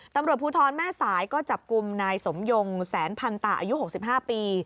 ตำรวจภูทรแม่สายก็จับกลุ่มนายสมยงแสนพันตาอายุ๖๕ปี